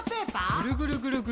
ぐるぐるぐるぐる。